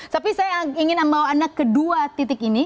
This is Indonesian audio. tapi saya ingin membawa anda ke dua titik ini